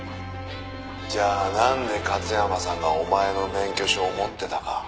「じゃあなんで勝山さんがお前の免許証を持ってたか」